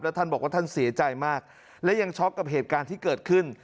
ท่านบอกว่าท่านเสียใจมากและยังช็อกกับเหตุการณ์ที่เกิดขึ้น